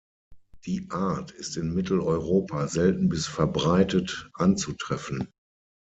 Die Art ist in Mitteleuropa selten bis verbreitet anzutreffen.